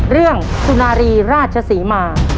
เรื่องสุนารีราชสีมา